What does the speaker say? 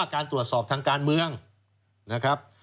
การตรวจสอบทางการเมืองนะครับ